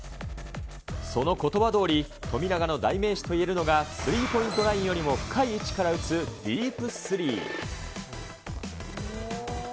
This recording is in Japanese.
そのことばどおり、富永の代名詞といえるのがスリーポイントラインより深い位置から打つディープスリー。